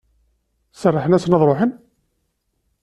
Serrḥen-asen ad ruḥen?